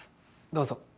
どうぞ。